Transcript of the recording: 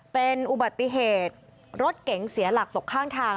เป็นอุบัติเหตุรถเก๋งเสียหลักตกข้างทาง